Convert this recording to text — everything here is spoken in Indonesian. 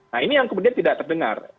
nah ini yang kemudian tidak terdengar